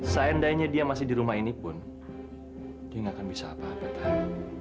seandainya dia masih di rumah ini pun dia nggak akan bisa apa apa tahu